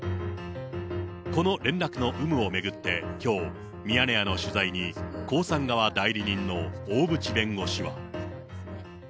この連絡の有無を巡ってきょう、ミヤネ屋の取材に江さん側代理人の大渕弁護士は。